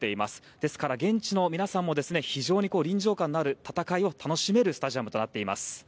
ですから、現地の皆さんも非常に臨場感のある戦いを楽しめるスタジアムとなっています。